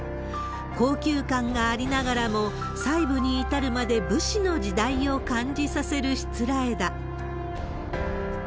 高級感がありながらも、細部に至るまで武士の時代を感じさせるしつらえだ。